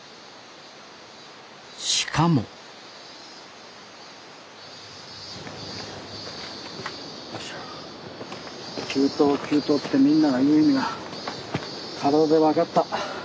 しかも急登急登ってみんなが言う意味が体で分かった。